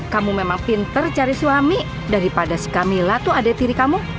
kamu memang pinter cari suami daripada si kamila tuh adek tiri kamu